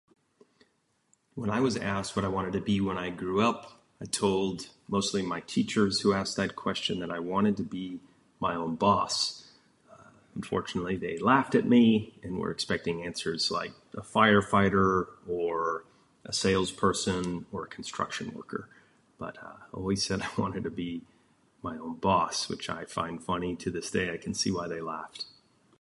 I was asked what I wanted to be when I grew up. I told mostly my teachers who asked that question that I wanted to be my own boss. Unfortunately they laughed at me and were expecting answers like a firefighter or a salesperson or a construction worker. But I uh always said I wanted to be my own boss which I find funny to this day because I can see why they laughed.